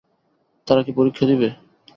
তারা কী পরীক্ষা দিবে?